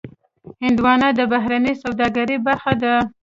هندوانه د بهرنۍ سوداګرۍ برخه ده.